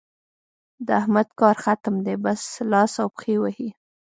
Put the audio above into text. د احمد کار ختم دی؛ بس لاس او پښې وهي.